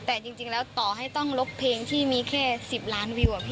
แต่จริงแล้วต่อให้ต้องลบเพลงที่มีแค่๑๐ล้านวิว